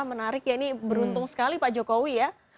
menarik ya ini beruntung sekali pak jokowi ya